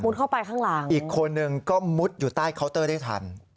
เข้าไปข้างหลังอีกคนนึงก็มุดอยู่ใต้เคาน์เตอร์ได้ทัน